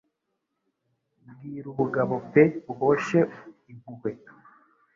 Bwira ubugabo pe uhoshe impuhwe;